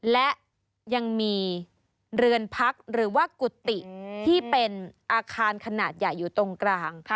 และยังมีเรือนพักหรือว่ากุฏิที่เป็นอาคารขนาดใหญ่อยู่ตรงกลาง